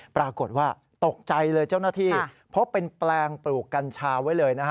ปรากฏว่าตกใจเลยเจ้าหน้าที่พบเป็นแปลงปลูกกัญชาไว้เลยนะฮะ